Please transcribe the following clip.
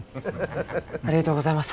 ありがとうございます。